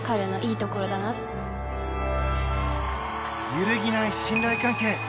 揺るぎない信頼関係